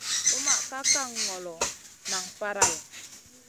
Lumʼma ka kan ŋolo, nan faraiya.